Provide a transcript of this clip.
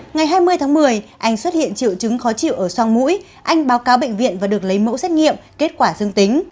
ngày hai mươi tháng một mươi anh xuất hiện triệu chứng khó chịu ở song mũi anh báo cáo bệnh viện và được lấy mẫu xét nghiệm kết quả dương tính